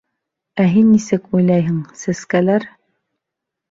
Ә һин нисек уйлайһың, сәскәләр...